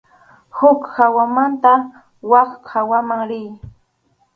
Huk hawamanta wak hawaman riy.